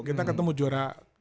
kita ketemu juara